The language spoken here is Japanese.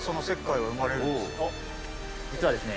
おっ実はですね